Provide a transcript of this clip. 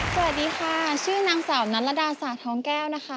สวัสดีค่ะชื่อนางสาวนัลดาสาทองแก้วนะคะ